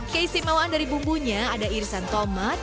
keistimewaan dari bumbunya ada irisan tomat